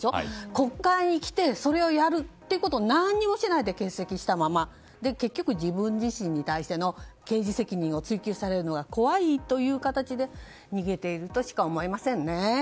国会議員になってそれを何もやらないで欠席したままで結局、自分自身に対しての刑事責任を追及されるのが怖いという形で逃げているとしか思えませんね。